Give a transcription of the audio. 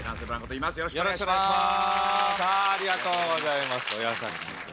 そこだけよろしくお願いします。